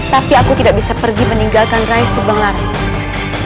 tapi aku tidak bisa pergi meninggalkan rai subang lari